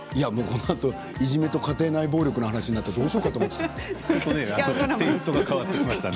このあと、いじめと家庭内暴力の話になったらどうしようかと思った。